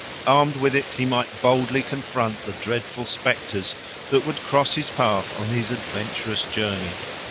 Armed with it he might boldly confront the dreadful spectres that would cross his path on his adventurous journey.